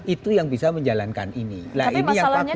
itu yang bisa menjalankan